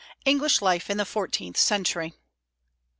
ENGLISH LIFE IN THE FOURTEENTH CENTURY.